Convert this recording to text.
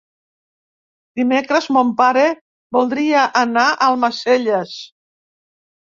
Dimecres mon pare voldria anar a Almacelles.